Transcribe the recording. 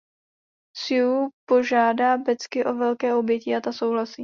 Sue požádá Becky o velké objetí a ta souhlasí.